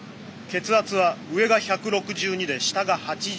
血圧は上が１６２で下が８０。